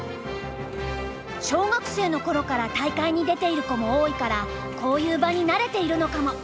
小学生の頃から大会に出ている子も多いからこういう場に慣れているのかも。